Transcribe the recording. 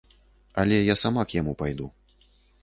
Але я сама к яму пайду.